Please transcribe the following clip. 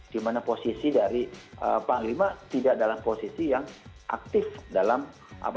di mana posisi dari panglima tidak dalam posisi yang aktif dalam merespon